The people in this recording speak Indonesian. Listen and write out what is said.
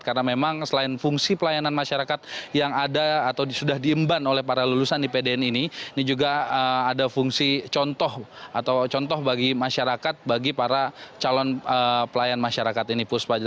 karena memang selain fungsi pelayanan masyarakat yang ada atau sudah diemban oleh para lulusan ipdn ini ini juga ada fungsi contoh atau contoh bagi masyarakat bagi para calon pelayanan masyarakat ini